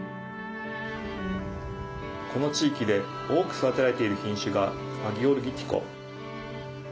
この地域で多く育てられている品種がアギオルギティコ。